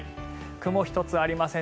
雲一つありません。